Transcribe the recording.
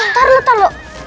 ntar lu tar lu